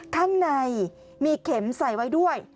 ข้างในมีเข็มใส่ไว้ด้วย